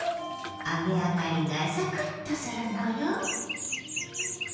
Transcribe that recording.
揚げ上がりがサクッとするのよ。